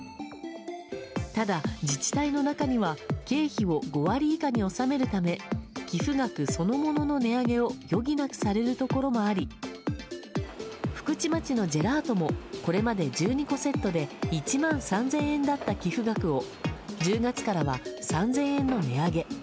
ただ、自治体の中には経費を５割以下に収めるため寄付額そのものの値上げを余儀なくされるところもあり福智町のジェラートもこれまで１２個セットで１万３０００円だった寄付額を１０月からは３０００円の値上げ。